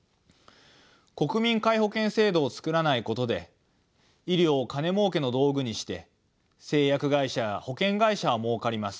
国民皆保険制度を作らないことで医療を金もうけの道具にして製薬会社や保険会社はもうかります。